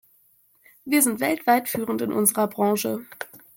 Wir sind weltweit führend in unserer Branche.